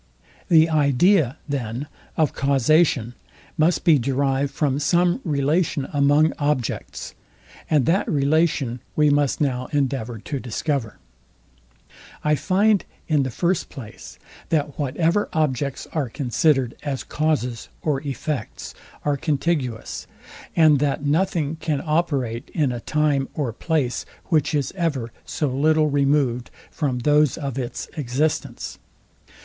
The idea, then, of causation must be derived from some relation among objects; and that relation we must now endeavour to discover. I find in the first place, that whatever objects are considered as causes or effects, are contiguous; and that nothing can operate in a time or place, which is ever so little removed from those of its existence.